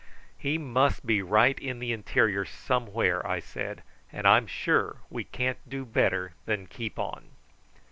"He must be right in the interior somewhere," I said; "and I'm sure we can't do better than keep on."